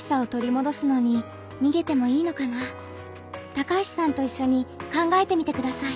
高橋さんといっしょに考えてみてください。